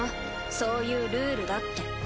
そういうルールだって。